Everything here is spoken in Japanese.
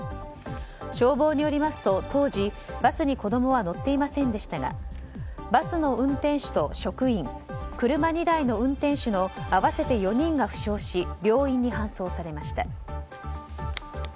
消防によりますと当時、バスに子供は乗っていませんでしたがバスの運転手と職員車２台の運転手の合わせて４人が負傷し病院に搬送されました。